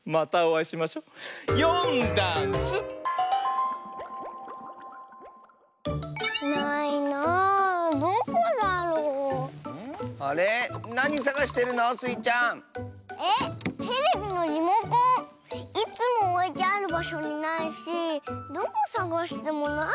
いつもおいてあるばしょにないしどこさがしてもないの。